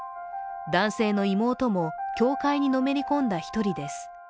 男性の妹も、教会にのめり込んだ１人です。